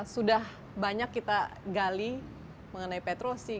sudah banyak kita gali mengenai petro sih